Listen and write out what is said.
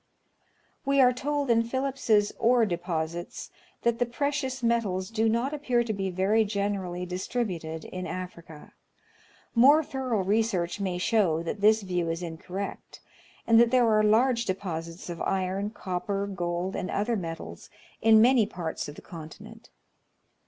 We are told in Phillips's " Ore Deposits " that the precious metals do not appear to be very generally distributed in Africa. More thorough research may show that this view is incorrect, and that there are large deposits of iron, copper, gold, and other metals in many parts of the continent.